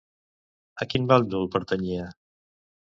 A quin bàndol pertanyia?